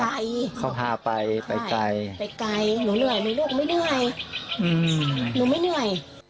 ไปเขาพาไปไปไกลไปไกลหนูเหนื่อยไหมลูกไม่เหนื่อยหนูไม่เหนื่อย